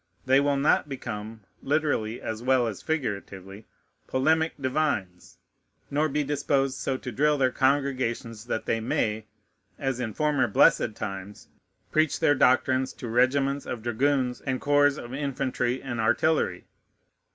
They will not become, literally as well as figuratively, polemic divines, nor be disposed so to drill their congregations, that they may, as in former blessed times, preach their doctrines to regiments of dragoons and corps of infantry and artillery.